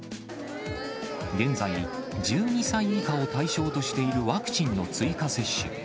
現在、１２歳以下を対象としているワクチンの追加接種。